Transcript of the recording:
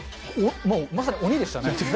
もうまさに鬼でしたね。